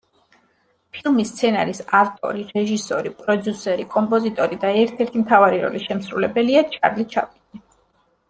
ფილმის სცენარის ავტორი, რეჟისორი, პროდიუსერი, კომპოზიტორი და ერთ-ერთი მთავარი როლის შემსრულებელია ჩარლი ჩაპლინი.